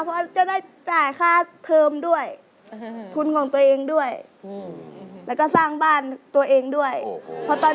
เพราะตอนนี้อยู่กับต้ากับเงินค่ะ